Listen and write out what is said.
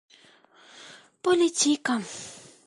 politika